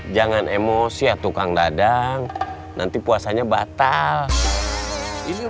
jangan emosi atau kang dadang nanti puasanya batal